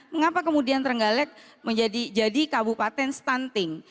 mengapa kemudian terenggalek menjadi kabupaten stunting